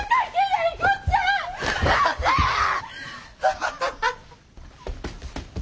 ハハハハハ！